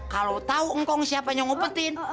kalau tau engkong siapa yang ngumpetin